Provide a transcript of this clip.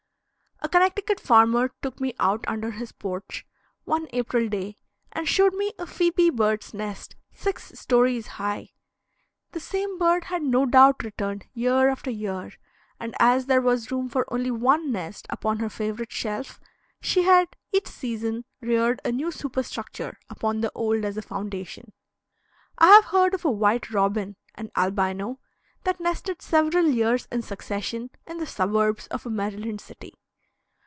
A Connecticut farmer took me out under his porch, one April day, and showed me a phoebe bird's nest six stories high. The same bird had no doubt returned year after year; and as there was room for only one nest upon her favorite shelf, she had each season reared a new superstructure upon the old as a foundation. I have heard of a white robin an albino that nested several years in succession in the suburbs of a Maryland city.